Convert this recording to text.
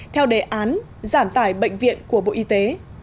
theo đề án giảm tải bệnh viện của bộ y tế